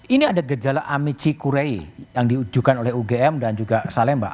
ini ada gejala amici kurei yang diujukan oleh ugm dan juga salemba